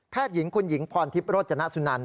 ๑แพทย์หญิงคุณหญิงพรทิพย์โรจนะสุนัน